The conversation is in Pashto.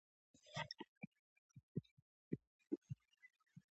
ژوند په ستونزو ښکلی دی